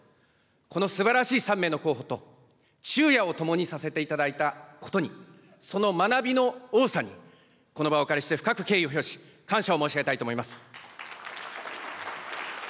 このすばらしい３名の候補と、昼夜を共にさせていただいたことにその学びの多さに、この場をお借りして深く敬意を表し、感謝を申し上げたいと思います。